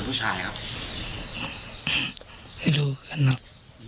ไม่รู้ครับ